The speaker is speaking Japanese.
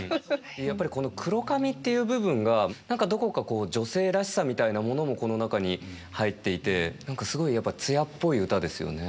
やっぱりこの黒髪っていう部分が何かどこかこう女性らしさみたいなものもこの中に入っていて何かすごい艶っぽい歌ですよね。